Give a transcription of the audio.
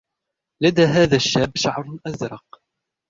لدى هذا الشاب شعر أزرق.